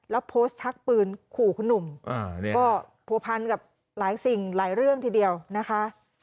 แล้วโพสต์ชักปืนขู่คุณหนุ่มก็ผัวพันกับหลายสิ่งหลายเรื่องทีเดียวนะคะ